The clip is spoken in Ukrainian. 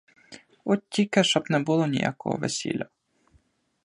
От тільки, щоб не було ніякого весілля.